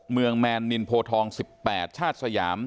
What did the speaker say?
แมนนินโพทอง๑๘ชาติสยาม